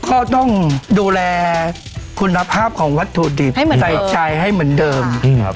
ก็ต้องดูแลคุณภาพของวัตถุดิบให้เหมือนเดิมใส่ชายให้เหมือนเดิมครับ